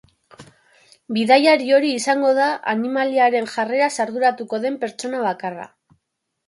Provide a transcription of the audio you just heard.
Bidaiari hori izango da animaliaren jarreraz arduratuko den pertsona bakarra.